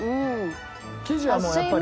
生地はもうやっぱり。